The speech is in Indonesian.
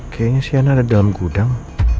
kayaknya siana ada dalam gudang